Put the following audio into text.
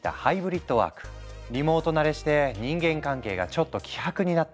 リモート慣れして人間関係がちょっと希薄になった